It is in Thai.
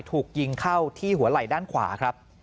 ถูกยิงเข้าที่หัวไหล่ด้านขวาครับ